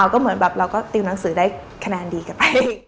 ก็เหมือนแบบเราก็ติวหนังสือได้คะแนนดีกลับไป